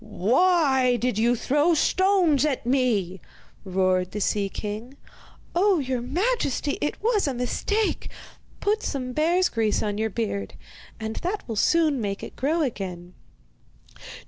'Why did you throw stones at me?' roared the sea king. 'Oh, your majesty, it was a mistake! Put some bear's grease on your beard and that will soon make it grow again.